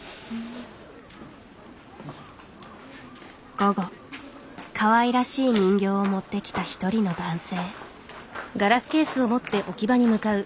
午後かわいらしい人形を持ってきた一人の男性。